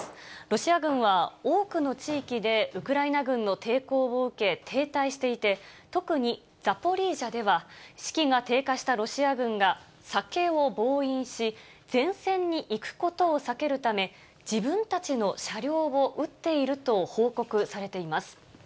ロシア軍は多くの地域でウクライナ軍の抵抗を受け、停滞していて、特にザポリージャでは、士気が低下したロシア軍が酒を暴飲し、前線に行くことを避けるため、自分たちの車両を撃っていると報告されています。